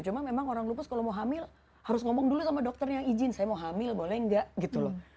cuma memang orang lupus kalau mau hamil harus ngomong dulu sama dokter yang izin saya mau hamil boleh nggak gitu loh